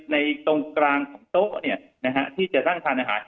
ตรงกลางของโต๊ะที่จะนั่งทานอาหาร